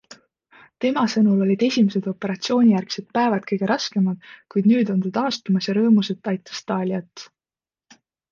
Tema sõnul olid esimesed operatsioonijärgsed päevad kõige raskemad, kuid nüüd on ta taastumas ja rõõmus, et aitas Taliat.